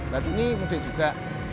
lalu ini mudik juga